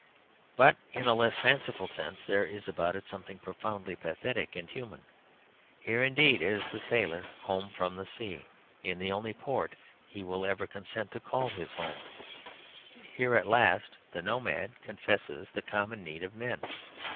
But in a less fanciful sense, there is about it something profoundly pathetic and human. Here indeed is the sailor home from sea, in the only port he will consent to call his home; here at last the nomad confesses the common need of men.